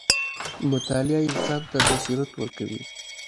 • مطالعه انسان ته بصیرت ورکوي.